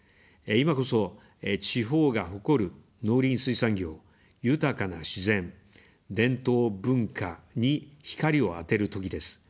今こそ、地方が誇る農林水産業、豊かな自然、伝統・文化に光を当てるときです。